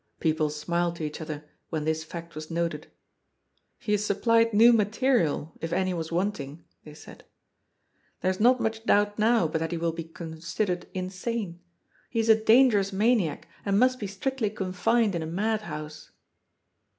Peo ple smiled to each other, when this fact was noted. " He has supplied new material, if any was wanting," they said. " There is not much doubt now but that he will be con 436 GOD'S FOOL. gidered insane. He is a dangerous maniac and mnst be strictly confined in a madhouse."